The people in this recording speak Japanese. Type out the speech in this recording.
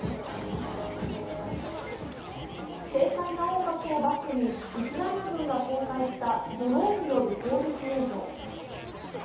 軽快な音楽をバックにウクライナ軍が公開したドローンによる攻撃映像。